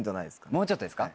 もうちょっとですか？